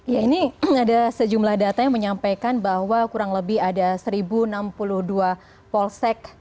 ya ini ada sejumlah data yang menyampaikan bahwa kurang lebih ada satu enam puluh dua polsek